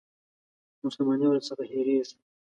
مسلماني ورڅخه هېرېږي.